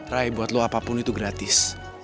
rai buat lo apapun itu gratis